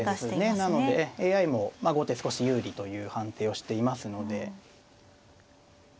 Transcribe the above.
なのでＡＩも後手少し有利という判定をしていますので。